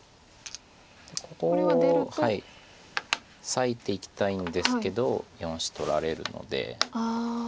裂いていきたいんですけど４子取られるので。